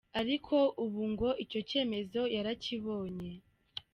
Ariko ubu ngo icyo cyemezo yarakibonye.